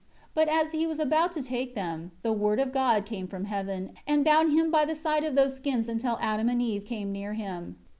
4 But as he was about to take them, the Word of God came from heaven, and bound him by the side of those skins until Adam and Eve came near him.